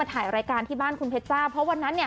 ถ่ายรายการที่บ้านคุณเพชจ้าเพราะวันนั้นเนี่ย